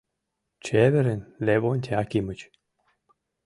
— Чеверын, Левонтий Акимыч!